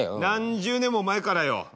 何十年も前からよ。